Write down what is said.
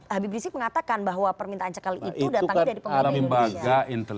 habib rizik mengatakan bahwa permintaan cekal itu